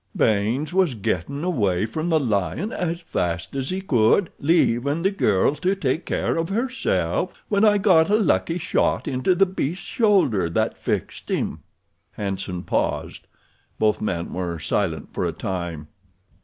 Baynes was gettin' away from the lion as fast as he could, leavin' the girl to take care of herself, when I got a lucky shot into the beast's shoulder that fixed him." Hanson paused. Both men were silent for a time.